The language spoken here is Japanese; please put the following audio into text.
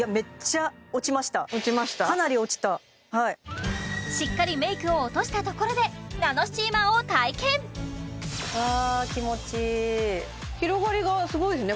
はいかなり落ちたしっかりメイクを落としたところでナノスチーマーを体験あ気持ちいい広がりがすごいですね